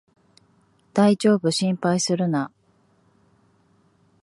だいじょうぶ、心配するな